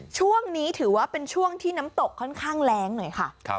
ช่วงนี้ถือว่าเป็นช่วงที่น้ำตกค่อนข้างแรงหน่อยค่ะ